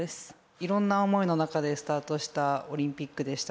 いろんな思いの中でスタートしたオリンピックでした。